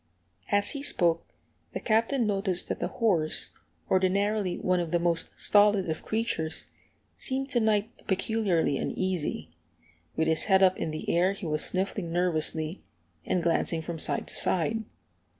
As he spoke the Captain noticed that the horse, ordinarily one of the most stolid of creatures, seemed to night peculiarly uneasy; with his head up in the air he was sniffing nervously, and glancing from side to side.